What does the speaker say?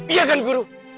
iya kan guru